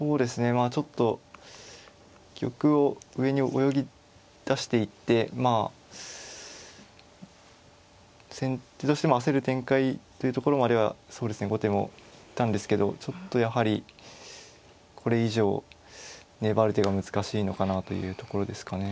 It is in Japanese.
まあちょっと玉を上に泳ぎだしていってまあ先手としても焦る展開というところまではそうですね後手も行ったんですけどちょっとやはりこれ以上粘る手が難しいのかなというところですかね。